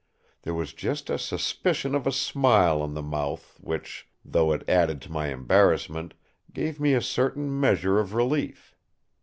There was just a suspicion of a smile on the mouth which, though it added to my embarrassment, gave me a certain measure of relief.